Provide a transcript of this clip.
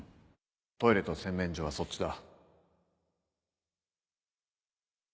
トイレと洗面所はそっちだ